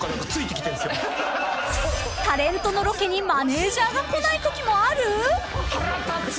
［タレントのロケにマネジャーが来ないときもある？］